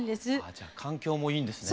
じゃあ環境もいいんですね。